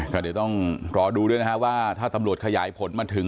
ก็เดี๋ยวต้องรอดูด้วยนะฮะว่าถ้าตำรวจขยายผลมาถึง